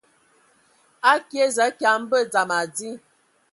Akie za kia mbə dzam adi.